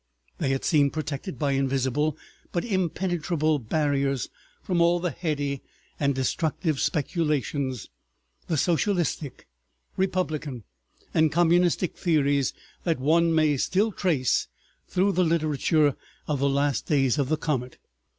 They had seemed protected by invisible but impenetrable barriers from all the heady and destructive speculations, the socialistic, republican, and communistic theories that one may still trace through the literature of the last days of the comet.